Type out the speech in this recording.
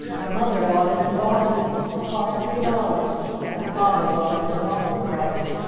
"My Mother bought it in Boston! It cost three dollars! My Father thought it was an awful price!